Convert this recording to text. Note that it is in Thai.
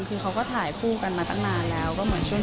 คือเค้าก็ถ่ายคู่กันตั้งนานแล้วก็เกิดพี่เซฟพิมพ์ช่วยถ่าย